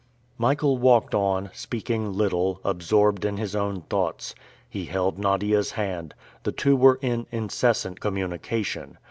Michael walked on, speaking little, absorbed in his own thoughts. He held Nadia's hand. The two were in incessant communication.